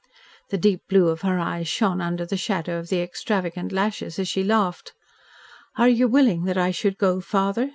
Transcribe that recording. The deep blue of her eyes shone under the shadow of the extravagant lashes as she laughed. "Are you willing that I should go, father?"